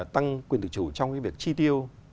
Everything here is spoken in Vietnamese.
tăng quyền tự chủ trong việc chi tiêu